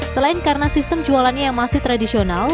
selain karena sistem jualannya yang masih tradisional